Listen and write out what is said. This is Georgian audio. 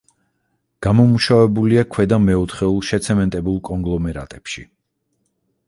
გამომუშავებულია ქვედა მეოთხეულ შეცემენტებულ კონგლომერატებში.